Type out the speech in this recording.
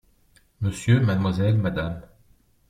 M…/Mlle…/Mme…